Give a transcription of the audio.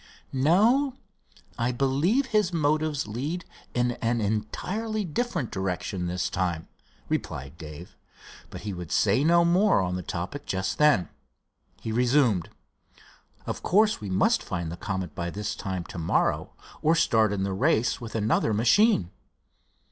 "No, I believe his motives lead in an entirely different direction this time," replied Dave, but he would say no more on the topic just then. He resumed: "Of course, we must find the Comet by this time to morrow, or start in the race with another machine."